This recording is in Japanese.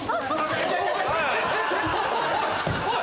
おい！